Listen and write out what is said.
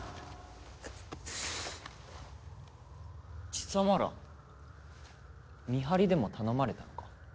貴様ら見張りでも頼まれたのか？